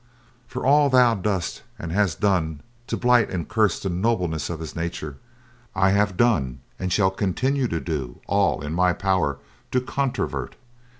For all thou dost and hast done to blight and curse the nobleness of his nature, I have done and shall continue to do all in my power to controvert.